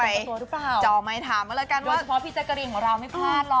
ดูหิตจากจากกระเรนของเราจะไปจอไม่ถาม